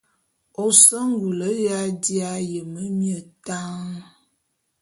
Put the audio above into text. Ô se ngul ya ji'a yeme mie tan.